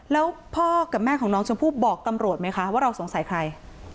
แล้วพ่อกับแม่ของน้องชมพู่บอกตำรวจไหมคะว่าเราสงสัยใคร